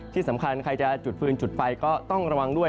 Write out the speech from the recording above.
ที่สำคัญใครจะจุดฟืนจุดไฟก็ต้องระวังด้วย